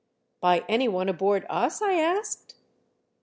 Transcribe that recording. By anyone aboard us ?" I asked.